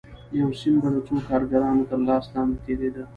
یو سیم به د څو کارګرانو تر لاس لاندې تېرېده